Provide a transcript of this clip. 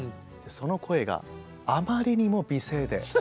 その声があまりにも美声で。